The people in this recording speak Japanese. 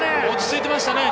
落ち着いていました。